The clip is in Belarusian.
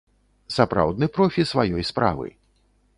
Сапраўдны профі сваёй справы!